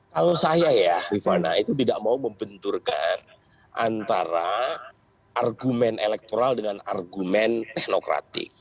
kalau saya ya rifana itu tidak mau membenturkan antara argumen elektoral dengan argumen teknokratik